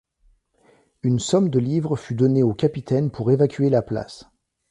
Une somme de livres fut donné au capitaine pour évacuer la place.